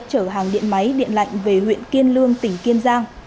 chở hàng điện máy điện lạnh về huyện kiên lương tỉnh kiên giang